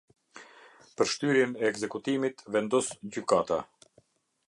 Për shtyrjen e ekzekutimit vendos gjykata.